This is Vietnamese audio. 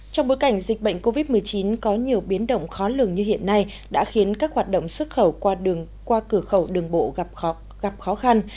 trong bối cảnh dịch bệnh covid một mươi chín có nhiều biến động khó lường như hiện nay đã khiến các hoạt động xuất khẩu qua cửa khẩu đường bộ gặp khó khăn